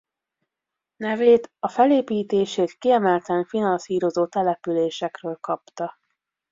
Nevét a felépítését kiemelten finanszírozó településekről kapta.